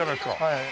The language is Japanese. はい。